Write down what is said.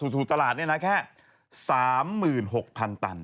สู่ตลาดนี่นะแค่๓๖๐๐๐ตัน